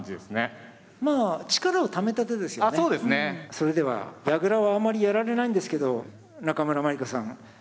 それでは矢倉はあんまりやられないんですけど中村真梨花さん。